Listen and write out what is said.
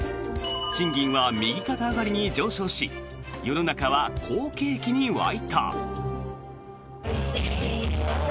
賃金は右肩上がりに上昇し世の中は好景気に沸いた。